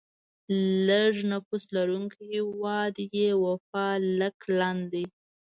لیږ نفوس لرونکی هیواد یې وفالکلند دی.